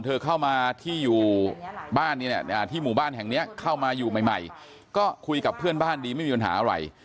เธอเข้ามาที่อยู่บ้านที่หมู่บ้านแห่งนี้เข้ามาอยู่ใหม่ก็คุยกับเพื่อนบ้านดีไม่มีปัญหาอะไร